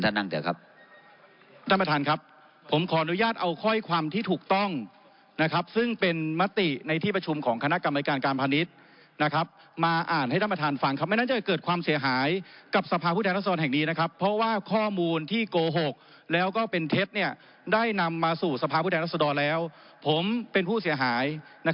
นั่นเถอะครับท่านประธานครับผมขออนุญาตเอาข้อความที่ถูกต้องนะครับซึ่งเป็นมติในที่ประชุมของคณะกรรมการการพาณิชย์นะครับมาอ่านให้ท่านประธานฟังครับไม่งั้นจะเกิดความเสียหายกับสภาพผู้แทนรัศดรแห่งนี้นะครับเพราะว่าข้อมูลที่โกหกแล้วก็เป็นเท็จได้นำมาสู่สภาพผู้แทนรัศดรแล้วผมเป็นผู้เสียหาย